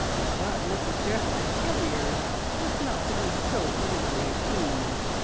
But Mrs Geoffrey Hilliard was not to be so easily appeased.